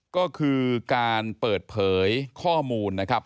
ก็คือการเปิดเผยข้อมูลนะครับ